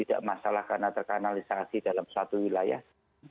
tidak masalah karena terkanalisasi dalam suatu wilayah